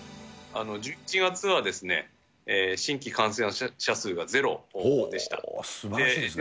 １１月は新規感染者数がゼロでした。